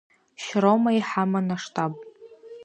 Шьрома иҳаман аштаб.